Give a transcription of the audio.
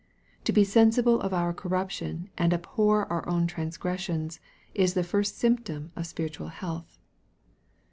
To be sen sible of our corruption and abhor our own transgressions, is the first symntonr of spiritual health.